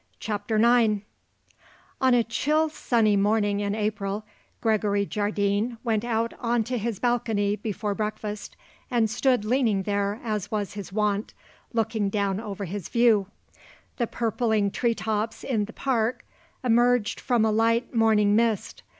CHAPTER IX On a chill, sunny morning in April, Gregory Jardine went out on to his balcony before breakfast and stood leaning there as was his wont, looking down over his view. The purpling tree tops in the park emerged from a light morning mist.